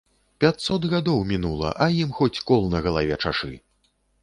Пяцьсот гадоў мінула, а ім хоць кол на галаве чашы!